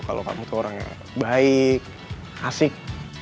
kalau kamu tuh orang yang baik asik